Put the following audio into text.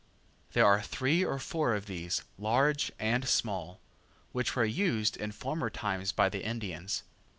There are three or four of these, large and small, which were used in former times by the Indians.